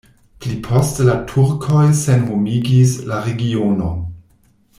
Pli poste la turkoj senhomigis la regionon.